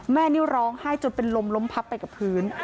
แม่นี่ร้องไห้จนเป็นลมล้มพับไปกับพื้น